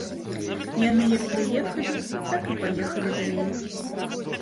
Яны як прыехалі, так і паехалі далей.